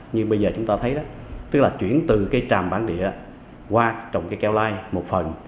như bây giờ chúng ta thấy chuyển từ cây tràm bán đĩa qua trồng cây keo lai một phần